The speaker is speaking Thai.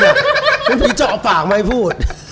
เหมือนพี่จกปากมาให้พูด